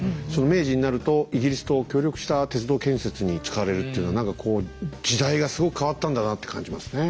明治になるとイギリスと協力した鉄道建設に使われるっていうのは何かこう時代がすごく変わったんだなって感じますね。